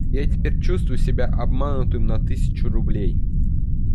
Я теперь чувствую себя обманутым на тысячу рублей